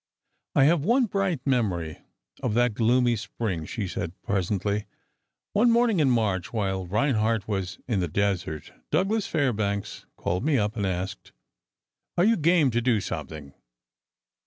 "I have one bright memory of that gloomy Spring," she said presently. "One morning in March, while Reinhardt was in the desert, Douglas Fairbanks called me up, and asked: "'Are you game to do something?